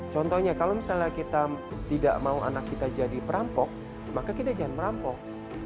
contohnya kalau misalnya kita tidak mau anak kita jadi perampok maka kita jangan merampok